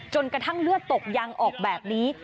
กระทั่งเลือดตกยังออกแบบนี้